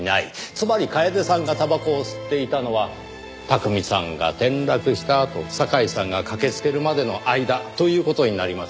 つまり楓さんがたばこを吸っていたのは巧さんが転落したあと堺さんが駆けつけるまでの間という事になります。